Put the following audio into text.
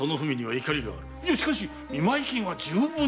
いやしかし見舞金は充分に。